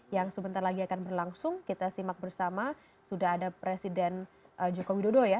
yang sebentar lagi akan berlangsung kita simak bersama sudah ada presiden joko widodo ya